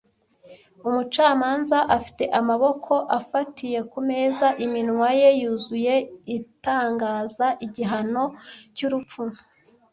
Umucamanza afite amaboko afatiye ku meza, iminwa ye yuzuye itangaza igihano cy'urupfu,